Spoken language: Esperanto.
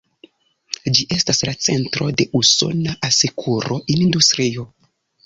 Ĝi estas la centro de usona asekuro-industrio.